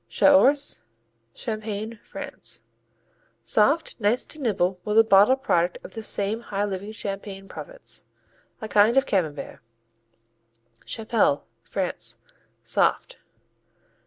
Chaource Champagne, France Soft, nice to nibble with the bottled product of this same high living Champagne Province. A kind of Camembert. Chapelle France Soft.